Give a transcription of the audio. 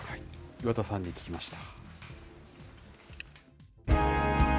岩田さんに聞きました。